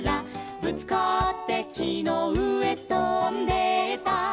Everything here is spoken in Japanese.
「ぶつかってきのうえとんでった」